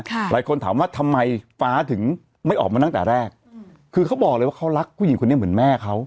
หลายคนถามว่าทำไมฟ้าถึงไม่ออกมาตั้งแต่แรกคือเขาบอกเลยว่าเขารักผู้หญิงคนนี้เหมือนแม่เขา